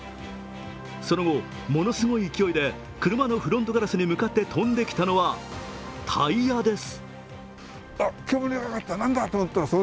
その後、ものすごい勢いで車のフロントガラスに向かって飛んできたのはタイヤです。